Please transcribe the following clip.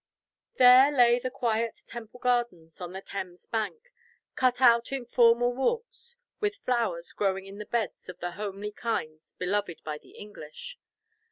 There lay the quiet Temple Gardens, on the Thames bank, cut out in formal walks, with flowers growing in the beds of the homely kinds beloved by the English.